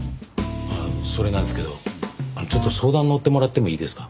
それなんですけどちょっと相談のってもらってもいいですか？